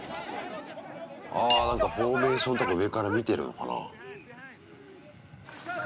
あなんかフォーメーションとか上から見てるのかな？